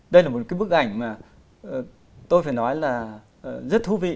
đây là một cái bức ảnh mà tôi phải nói là rất thú vị